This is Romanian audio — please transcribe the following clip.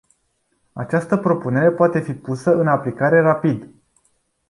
Această propunere poate fi pusă în aplicare rapid.